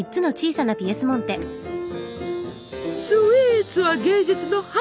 スイーツは芸術の母！